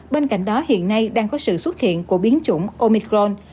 bên cạnh đó hiện nay đang có sự xuất hiện của biến chủng omicron